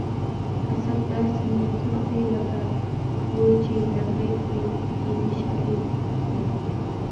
حسد داسې نیکي خوري لکه اور چې لرګي خوري دیني شالید لري